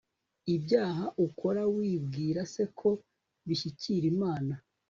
ibyaha ukora wibwira se ko bishyikira imana